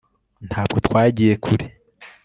ntabwo twagiye kure